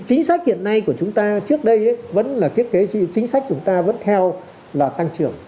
chính sách hiện nay của chúng ta trước đây vẫn là thiết kế chính sách chúng ta vẫn theo là tăng trưởng